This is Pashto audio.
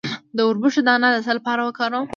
د وربشو دانه د څه لپاره وکاروم؟